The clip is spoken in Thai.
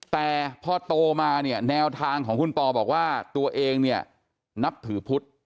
แต่พอโตมาเนี่ยแนวทางของคุณปอบอกว่าตัวเองเนี่ยนับถือพุทธ